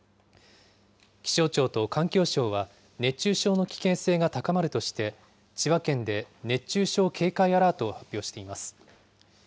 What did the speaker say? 気象庁と環境省は、熱中症の危険性が高まるとして、千葉県で熱中症警戒アラートを発表しています。